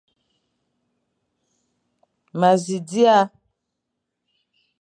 Ma zi dia.